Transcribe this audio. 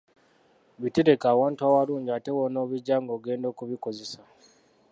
Bitereke awantu awalungi ate w‘onoobijja ng‘ogenda okubikozesa.